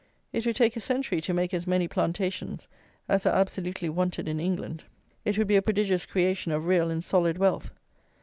It would take a century to make as many plantations as are absolutely wanted in England. It would be a prodigious creation of real and solid wealth.